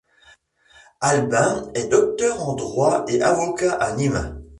Albin est docteur en droit et avocat à Nîmes.